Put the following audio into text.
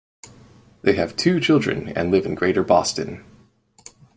They have two children and live in greater Boston.